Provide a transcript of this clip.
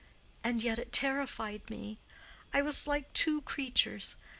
And yet it terrified me. I was like two creatures.